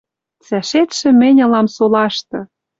Цӓшетшӹ мӹнь ылам солашты!»